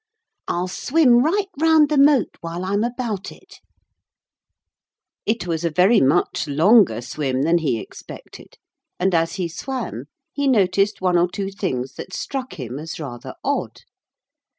I'll swim right round the moat while I'm about it.' [Illustration: There was a splash.] It was a very much longer swim than he expected, and as he swam he noticed one or two things that struck him as rather odd.